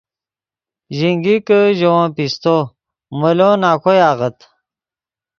ژینگیکے ژے ون پیستو مولو نکوئے آغت